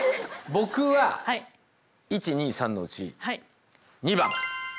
僕は１２３のうち２番。